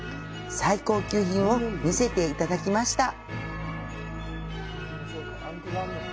最高級品を見せていただきます。